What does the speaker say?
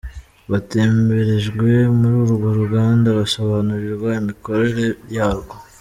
Batemberejwe muri urwo ruganda basobanurirwa imikorere yarwo.